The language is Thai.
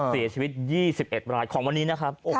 เสียชีวิต๒๑รายของวันนี้นะครับ